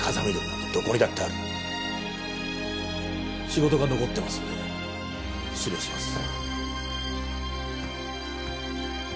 仕事が残ってますので失礼します。